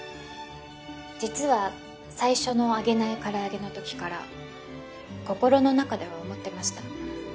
実は最初の揚げないからあげの時から心の中では思ってました。